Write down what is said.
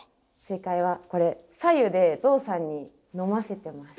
正解はこれ白湯でゾウさんに飲ませてます。